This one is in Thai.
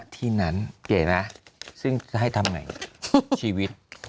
ที่นั้นเก๋นะซึ่งจะให้ทำไงชีวิต